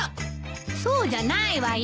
そうじゃないわよ。